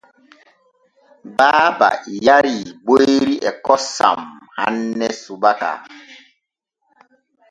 Baaba yarii boyri e kosom hanne subaka.